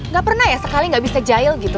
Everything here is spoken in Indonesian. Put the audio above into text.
gak pernah ya sekali gak bisa jahil gitu